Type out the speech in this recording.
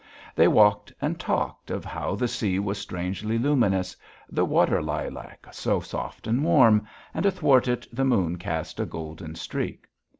They walked and talked of how the sea was strangely luminous; the water lilac, so soft and warm, and athwart it the moon cast a golden streak.